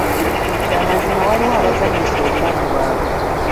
Kya mazima waliwo abazannyisa obulamu bwabwe.